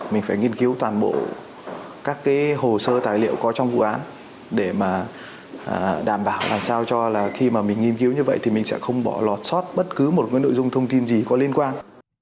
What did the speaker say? mình phải nghiên cứu toàn bộ các hồ sơ tài liệu có trong vụ án để mà đảm bảo làm sao cho là khi mà mình nghiên cứu như vậy thì mình sẽ không bỏ lọt sót bất cứ một cái nội dung thông tin gì có liên quan